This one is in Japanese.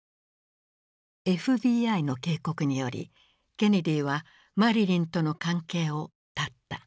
ＦＢＩの警告によりケネディはマリリンとの関係を絶った。